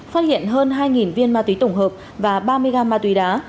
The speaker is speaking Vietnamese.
phát hiện hơn hai viên ma túy tổng hợp và ba mươi gam ma túy đá